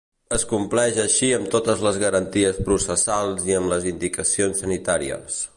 Es compleix així amb totes les garanties processals i amb les indicacions sanitàries.